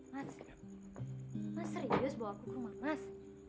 mas mas serius bawa aku ke rumah mas